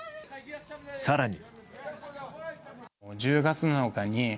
更に。